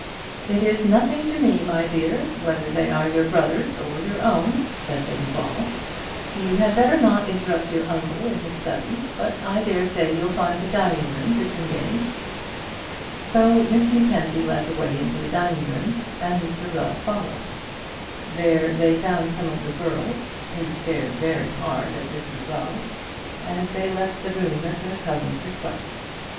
"It is nothing to me, my dear, whether they are your brother's or your own," said Lady Ball; "you had better not interrupt your uncle in the study; but I daresay you'll find the dining room disengaged." So Miss Mackenzie led the way into the dining room, and Mr Rubb followed. There they found some of the girls, who stared very hard at Mr Rubb, as they left the room at their cousin's request.